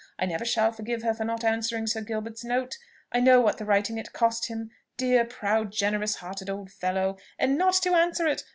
I never shall forgive her for not answering Sir Gilbert's note. I know what the writing it cost him dear, proud, generous hearted old fellow! And not to answer it!